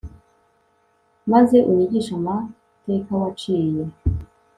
maze unyigishe amateka waciye